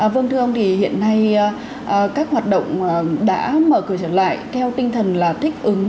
vâng thưa ông thì hiện nay các hoạt động đã mở cửa trở lại theo tinh thần là thích ứng